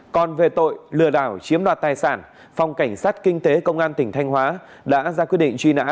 còn về tội lừa đảo chiếm đoạt tài sản phòng cảnh sát kinh tế công an tỉnh thanh hóa đã ra quyết định truy nã